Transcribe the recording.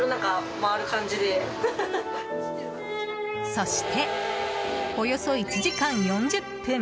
そして、およそ１時間４０分。